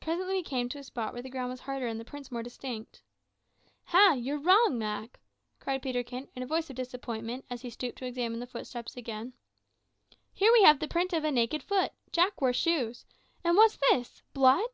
Presently we came to a spot where the ground was harder and the prints more distinct. "Ha! you're wrong, Mak," cried Peterkin, in a voice of disappointment, as he stooped to examine the footsteps again. "Here we have the print of a naked foot; Jack wore shoes. And, what's this? blood!"